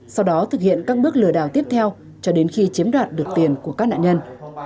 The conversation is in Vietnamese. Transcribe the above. sau đó thực hiện các bước lừa đào tiếp theo cho đến khi chiếm đoạt được tiền của các nạn nhân